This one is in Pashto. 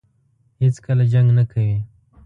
هېڅکله جنګ نه کوي.